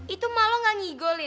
itu malah gak ngigo lin